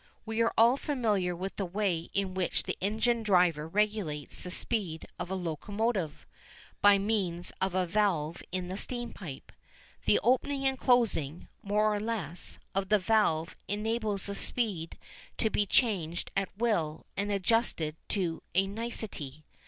We are all familiar with the way in which the engine driver regulates the speed of a locomotive, by means of a valve in the steam pipe. The opening and closing, more or less, of the valve enables the speed to be changed at will and adjusted to a nicety.